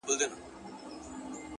اوس دادی”